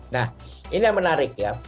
nah ini yang menarik ya